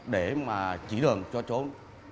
để mà chỉ đường cho chốn